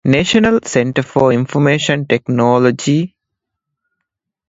ނޭޝަނަލް ސެންޓަރ ފޮރ އިންފޮމޭޝަން ޓެކްނޯލޮޖީ